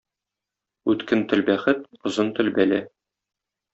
Үткен тел — бәхет, озын тел — бәла!